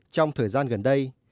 trong thời gian gần đây